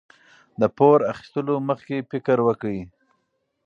د پور اخیستلو مخکې فکر وکړئ.